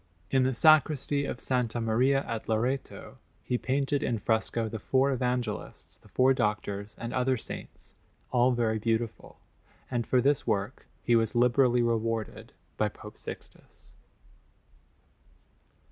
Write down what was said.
In the Sacristy of S. Maria at Loreto he painted in fresco the four Evangelists, the four Doctors, and other saints, all very beautiful; and for this work he was liberally rewarded by Pope Sixtus.